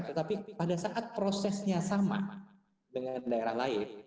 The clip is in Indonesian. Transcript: tetapi pada saat prosesnya sama dengan daerah lain